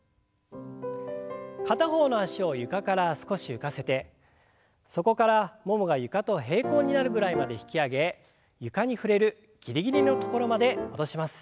片方の脚を床から少し浮かせてそこからももが床と平行になるぐらいまで引き上げ床に触れるギリギリの所まで戻します。